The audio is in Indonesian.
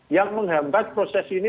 yang menghambat proses ini